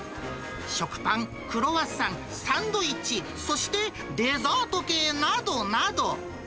食パン、クロワッサン、サンドイッチ、そしてデザート系などなど。